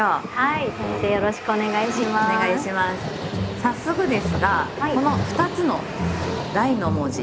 早速ですがこの２つの「大」の文字